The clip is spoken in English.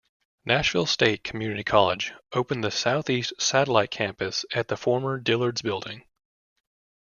Nashville State Community College open the southeast satellite campus at the former Dillard's building.